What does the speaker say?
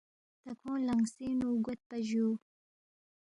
تا کھونگ لِنگسِنگ نُو گویدپا جُو